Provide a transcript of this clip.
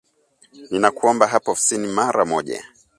“Ninakuomba hapa ofisini mara moja